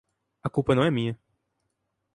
A culpa não é minha.